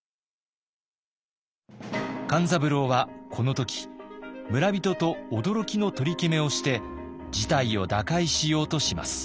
勘三郎はこの時村人と驚きの取り決めをして事態を打開しようとします。